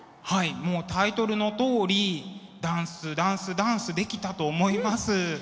はいもうタイトルのとおり「ダンスダンスダンス」できたと思います。